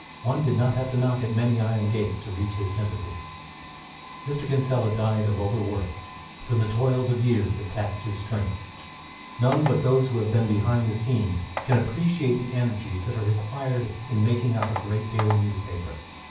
One did not have to knock at many iron gates to reach his sympathies. Mr. Kinsella died of overwork, from the toil of years that taxed his strength. None but those who have been behind the scenes can appreciate the energies that are required in making up a great daily newspaper.